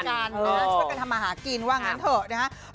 ช่วยกันทำมาหากินว่างั้นเถอะนะครับ